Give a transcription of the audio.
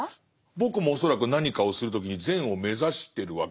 僕も恐らく何かをする時に善を目指してるわけですよね